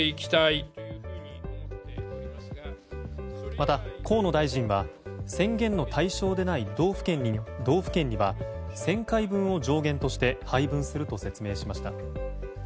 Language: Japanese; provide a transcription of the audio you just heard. また、河野大臣は宣言の対象でない道府県には１０００回分を上限として配分すると説明しました。